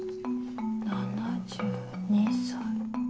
７２歳。